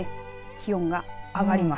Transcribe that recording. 気温が上がります。